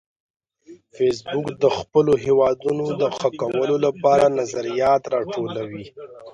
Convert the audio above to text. فېسبوک د خپلو هیوادونو د ښه کولو لپاره نظریات راټولوي